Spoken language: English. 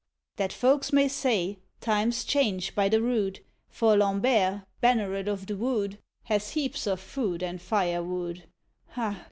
_ That folks may say: Times change, by the rood, For Lambert, banneret of the wood, Has heaps of food and firewood; _Ah!